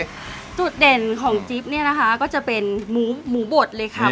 จุดเด่นของจิ๊บเนี้ยก็จะเป็นหมูบดเลยครับ